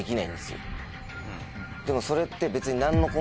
でもそれって別に。